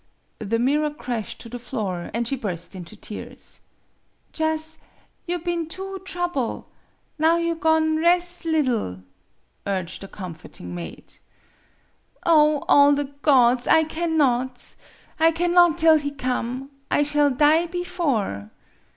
The mirror crashed to the floor, and she burst into tears. "Jus' you been too trouble'. Now you go'n' res' liddle," urged the comforting maid. "Oh, all the gods! I cannot! I cannot till he come. I shall die bifore."